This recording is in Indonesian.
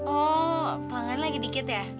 oh pelanggan lagi dikit ya